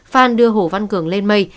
phan đưa hồ văn cường lên mây